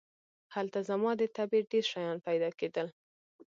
هلته زما د طبعې ډېر شیان پیدا کېدل.